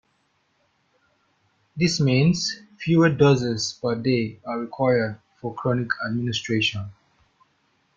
This means fewer doses per day are required for chronic administration.